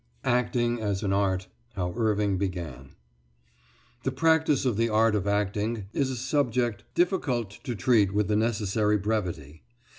ACTING AS AN ART. HOW IRVING BEGAN The practice of the art of acting is a subject difficult to treat with the necessary brevity.